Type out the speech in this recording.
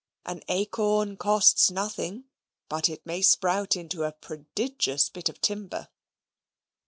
An acorn costs nothing; but it may sprout into a prodigious bit of timber.